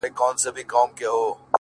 خپل د لاس څخه اشـــنــــــا ـ